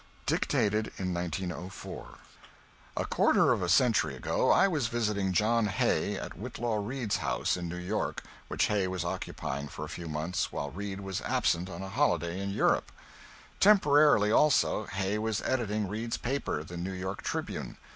[Dictated in 1904.] A quarter of a century ago I was visiting John Hay at Whitelaw Reid's house in New York, which Hay was occupying for a few months while Reid was absent on a holiday in Europe. Temporarily also, Hay was editing Reid's paper, the New York "Tribune."